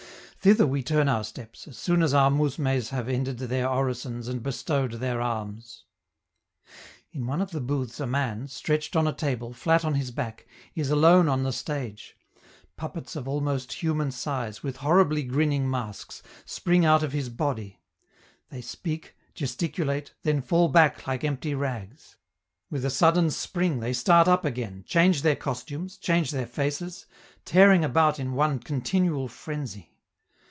Thither we turn our steps, as soon as our mousmes have ended their orisons and bestowed their alms. In one of the booths a man, stretched on a table, flat on his back, is alone on the stage; puppets of almost human size, with horribly grinning masks, spring out of his body; they speak, gesticulate, then fall back like empty rags; with a sudden spring they start up again, change their costumes, change their faces, tearing about in one continual frenzy.